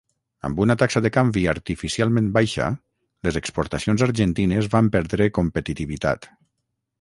Amb una taxa de canvi artificialment baixa, les exportacions argentines van perdre competitivitat.